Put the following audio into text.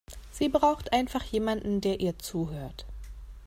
Sie braucht einfach jemanden, der ihr zuhört.